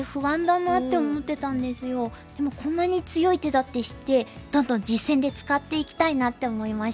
でもこんなに強い手だって知ってどんどん実戦で使っていきたいなって思いました。